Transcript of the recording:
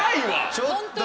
ちょっと。